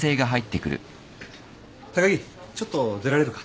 高木ちょっと出られるか？